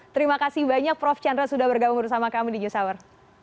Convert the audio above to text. terima kasih banyak prof chandra sudah bergabung bersama kami di news hour